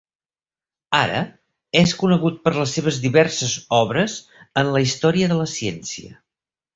Ara és conegut per les seves diverses obres en la Història de la Ciència.